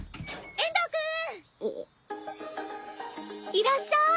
いらっしゃい。